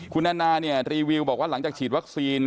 คุณแอนนาเนี่ยรีวิวบอกว่าหลังจากฉีดวัคซีน